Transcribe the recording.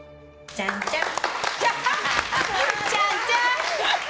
ちゃんちゃん！